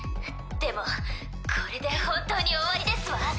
でもこれで本当に終わりですわ。